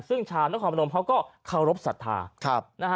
ซึ่งชาวนครพนมเขาก็เคารพสัทธานะฮะ